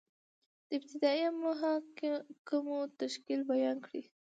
د ابتدائیه محاکمو تشکیل بیان کړئ؟